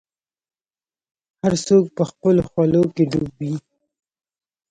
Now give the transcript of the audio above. هر څوک به خپلو حولو کي ډوب وي